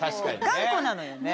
頑固なのよね。